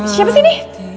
siapa sih ini